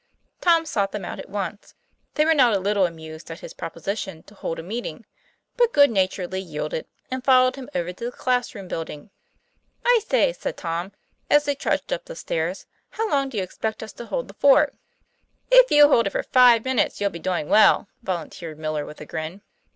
Tom sought them out at once. They were not a little amused at his proposition to hold a meeting; but good naturedly yielded, and followed him over to the class room building. "I say," said Tom, as they trudged up the stairs, "how long do you expect us to hold the fort?" " If you hold it five minutes, you'll be doing well," volunteered Miller, with a grin.